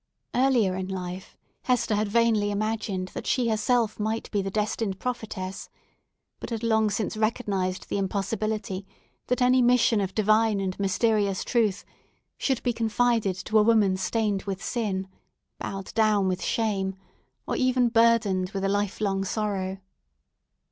Earlier in life, Hester had vainly imagined that she herself might be the destined prophetess, but had long since recognised the impossibility that any mission of divine and mysterious truth should be confided to a woman stained with sin, bowed down with shame, or even burdened with a life long sorrow.